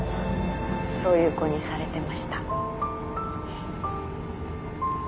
そういう子にされてました。